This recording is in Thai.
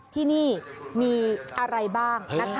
ที่นี่มีอะไรบ้าง